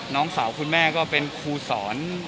น้องสาวคุณแม่ก็เป็นครูสอน